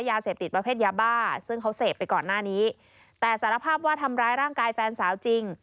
ยาเสพติดประเภทยาบ้าซึ่งเขาเสพไปก่อนหน้านี้แต่สารภาพว่าทำร้ายร่างกายแฟนสาวจริง